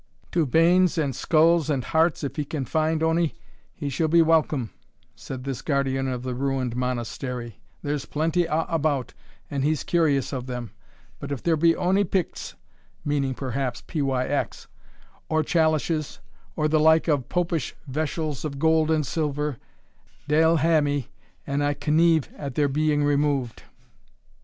"To banes, and skulls, and hearts, if he can find ony, he shall be welcome," said this guardian of the ruined Monastery, "there's plenty a' about, an he's curious of them; but if there be ony picts" (meaning perhaps pyx) "or chalishes, or the like of such Popish veshells of gold and silver, deil hae me an I conneve at their being removed."